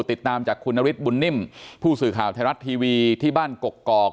ติดตามจากคุณนฤทธบุญนิ่มผู้สื่อข่าวไทยรัฐทีวีที่บ้านกกอก